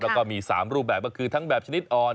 แล้วก็มี๓รูปแบบก็คือทั้งแบบชนิดอ่อน